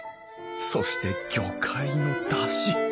そして魚介のだし！